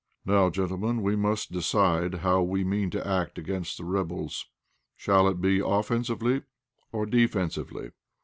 "Now, gentlemen, we must decide how we mean to act against the rebels. Shall it be offensively or defensively?